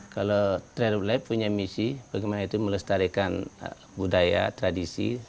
kalau trade lab punya misi bagaimana itu melestarikan budaya tradisi